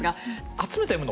集めたもの